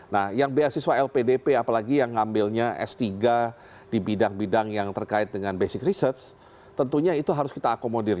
nah yang beasiswa lpdp apalagi yang ngambilnya s tiga di bidang bidang yang terkait dengan basic research tentunya itu harus kita akomodir